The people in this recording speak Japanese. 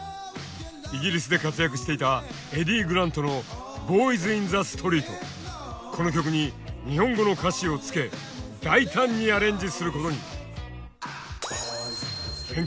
イギリスで活躍していたエディ・グラントのこの曲に日本語の歌詞をつけ大胆にアレンジすることに。